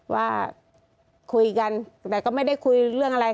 ว่าคุยกันแต่ก็ไม่ได้คุยเรื่องอะไร